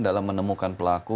dalam menemukan pelaku